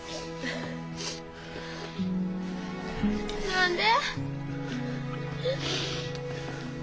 何で？